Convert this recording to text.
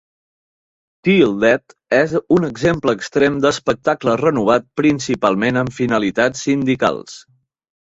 'Til Death és un exemple extrem d'espectacle renovat principalment amb finalitats sindicals.